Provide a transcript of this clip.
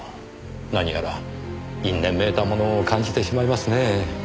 何やら因縁めいたものを感じてしまいますねぇ。